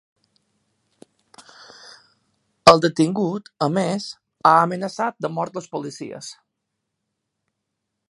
El detingut, a més, ha amenaçat de mort els policies.